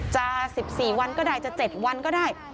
จะ๑๔วันก็ได้จะ๗วันก็ได้